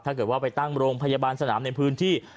ถ้าเกิดว่าไปตั้งโรงพยาบาลสนามในพื้นที่